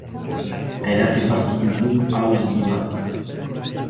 Elle a fait partie du groupe House Divas.